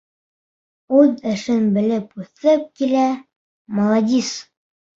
Үҙ эшен белеп үҫеп килә, маладис.